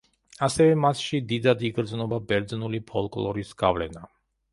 ასევე მასში დიდად იგრძნობა ბერძნული ფოლკლორის გავლენა.